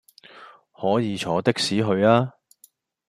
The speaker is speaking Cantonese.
可以坐的士去吖